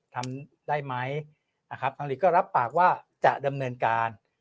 ทำได้ไหมนะครับทางหลีกก็รับปากว่าจะดำเนินการ